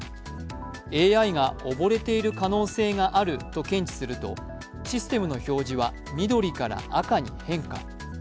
ＡＩが溺れている可能性があると検知すると、システムの表示は緑から赤に変化。